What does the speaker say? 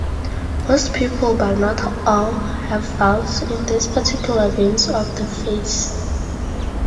Most people, but not all, have valves in these particular veins of the face.